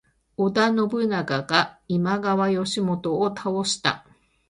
織田信長が今川義元を倒した。